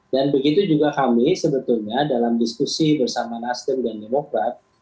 dan begitu juga kami sebetulnya dalam diskusi bersama nasdem dan demokrat